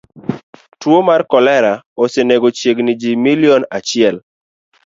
Tuo mar kolera osenego chiegni ji milion achiel.